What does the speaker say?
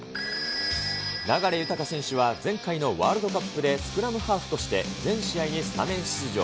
流大選手は、前回のワールドカップでスクラムハーフとして全試合にスタメン出場。